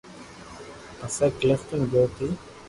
پسي ڪلفٽن گيو تي